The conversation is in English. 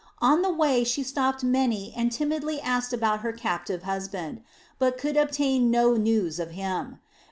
On the way she stopped many and timidly asked about her captive husband, but could obtain no news of him.